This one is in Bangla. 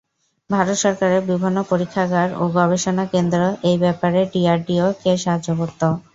ভারত সরকারের বিভিন্ন পরীক্ষাগার ও গবেষণা কেন্দ্র এই ব্যাপারে ডিআরডিও-কে সাহায্য করত।